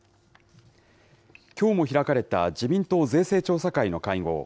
きょうも開かれた自民党税制調査会の会合。